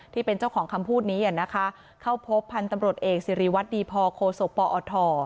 ที่เป็นเจ้าของคำพูดนี้นะคะเข้าพบพันธุ์ตำรวจเอกสิริวัตรดีพอโคศกปอท